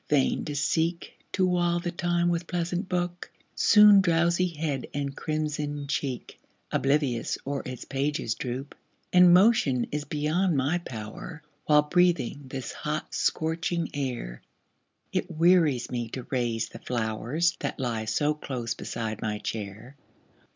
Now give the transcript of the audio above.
vain to seek To while the time with pleasant book, Soon drowsy head and crimsoned cheek Oblivious o'er its pages droop And motion is beyond my power, While breathing this hot, scorching air, It wearies me to raise the flowers, That lie so close beside my chair.